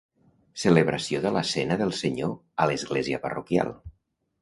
Celebració de la Cena del Senyor a l'església parroquial.